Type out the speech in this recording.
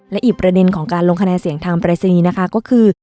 และอีกประเด็นของการลงคะแนนเสียงทางปรายศนีย์นะคะก็คือ